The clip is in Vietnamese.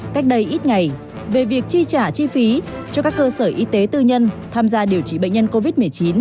cách đây ít ngày về việc chi trả chi phí cho các cơ sở y tế tư nhân tham gia điều trị bệnh nhân covid một mươi chín